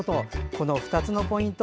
この２つのポイント